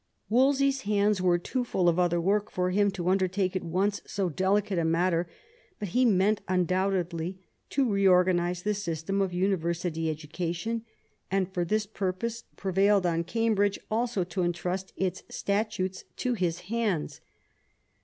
Wolsey's hands were too full of other work for him to undertake at once so delicate a matter; but he meant undoubtedly to reorganise the system of university education, and for this purpose prevailed on Cambridge also to entrust its statutes to his hands.